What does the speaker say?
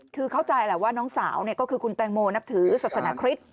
คือเข้าใจแหละว่าน้องสาวก็คือคุณแตงโมนับถือศาสนาคริสต์